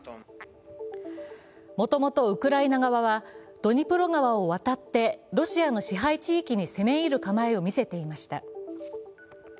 もともとウクライナ側はドニプロ川を渡ってロシアの支配地域に攻め入る構えを見せていました。